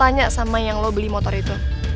tanya sama yang lo beli motor itu